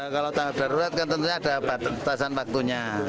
kalau tanggap darurat kan tentunya ada batasan waktunya